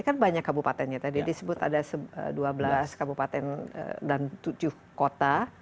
ini kan banyak kabupatennya tadi disebut ada dua belas kabupaten dan tujuh kota